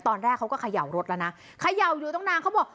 ตอนแรกเขาก็เขย่ารถแล้วนะเขย่าอยู่ตั้งนานเขาบอก